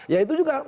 ya itu juga